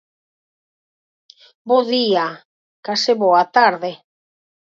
Bo día, case boa tarde.